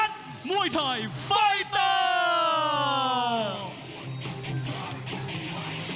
โอ้โหเดือดจริงครับ